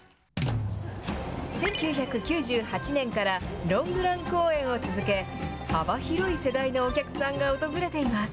１９９８年からロングラン公演を続け、幅広い世代のお客さんが訪れています。